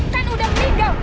kan udah meninggal